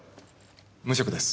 無職です。